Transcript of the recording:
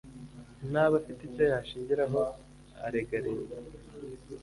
ntaba afite icyo yashingiraho arega Leta